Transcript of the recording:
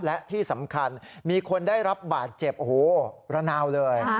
และที่สำคัญมีคนได้รับบาดเจ็บโอ้โหระนาวเลย